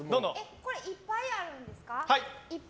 いっぱいあるんですか？